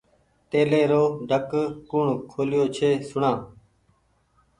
تيليرو ڍڪ ڪوٚڻ کوليو ڇي سوڻآ